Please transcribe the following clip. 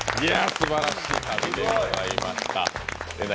すばらしい旅でございました。